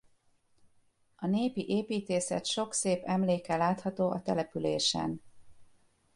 A népi építészet sok szép emléke látható a településen.